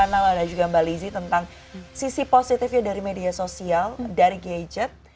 nala dan juga mbak lizzy tentang sisi positifnya dari media sosial dari gadget